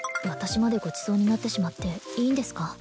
私までごちそうになってしまっていいんですか？